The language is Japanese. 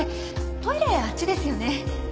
トイレあっちですよね？